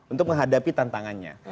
untuk menghadapi tantangannya